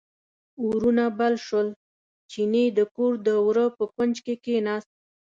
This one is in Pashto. اورونه بل شول، چیني د کور د وره په کونج کې کیناست.